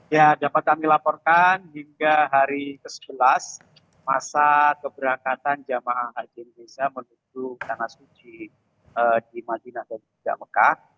ya dapat kami laporkan hingga hari ke sebelas masa keberangkatan jemaah haji indonesia menuju tanah suci di madinah dan di mekah